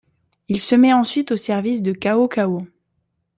Il se met ensuite au service de Cao Cao.